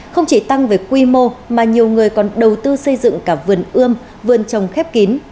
không chỉ tăng về quy mô mà nhiều người còn đầu tư xây dựng cả vườn ươm vườn trồng khép kín